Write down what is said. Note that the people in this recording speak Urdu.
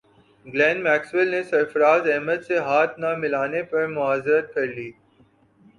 گلین میکسویل نے سرفراز احمد سے ہاتھ نہ ملانے پر معذرت کر لی